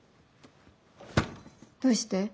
どうして？